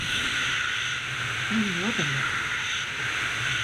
I'm loving it.